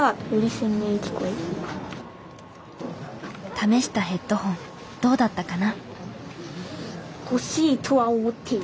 試したヘッドホンどうだったかな？